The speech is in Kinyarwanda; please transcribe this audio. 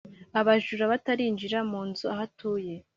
abajura batarinjira mu nzu aho atuye